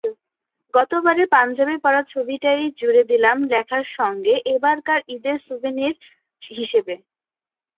গতবারের পাঞ্জাবি পরা ছবিটাই জুড়ে দিলাম লেখার সঙ্গে এবারকার ঈদের স্যুভেনির হিসেবে।